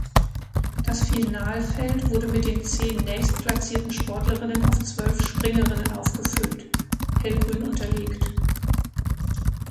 Das Finalfeld wurde mit den zehn nächstplatzierten Sportlerinnen auf zwölf Springerinnen aufgefüllt (hellgrün unterlegt).